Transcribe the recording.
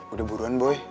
udah buruan boy